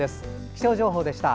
気象情報でした。